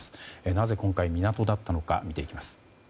なぜ今回、港だったのか見ていきます。